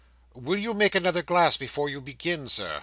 'Will you make another glass before you begin, Sir?